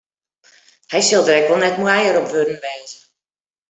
Hy sil der ek wol net moaier op wurden wêze.